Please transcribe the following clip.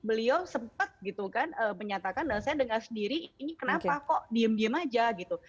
beliau sempat gitu kan menyatakan dan saya dengar sendiri ini kenapa kok diem diem aja gitu